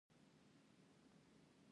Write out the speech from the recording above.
د زابل په سیوري کې د کرومایټ نښې شته.